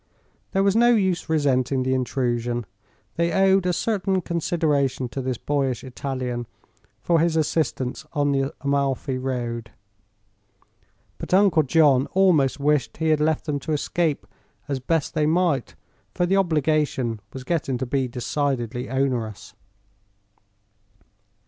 There was no use resenting the intrusion. They owed a certain consideration to this boyish Italian for his assistance on the Amalfi road. But Uncle John almost wished he had left them to escape as best they might, for the obligation was getting to be decidedly onerous.